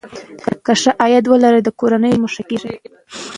که ښځه عاید ولري، نو د کورنۍ ژوند ښه کېږي.